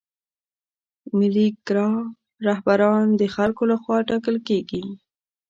ملي ګرا رهبران د خلکو له خوا ټاکل کیږي.